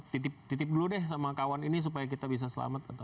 titip titip dulu deh sama kawan ini supaya kita bisa selamat atau